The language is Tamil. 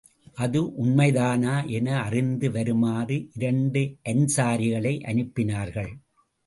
அது உண்மைதானா என அறிந்து வருமாறு இரண்டு அன்ஸாரிகளை அனுப்பினார்கள்.